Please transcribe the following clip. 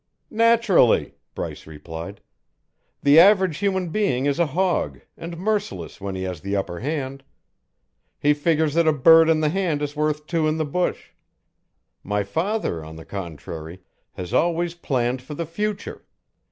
"Naturally!" Bryce replied. "The average human being is a hog, and merciless when he has the upper hand. He figures that a bird in the hand is worth two in the bush. My father, on the contrary, has always planned for the future.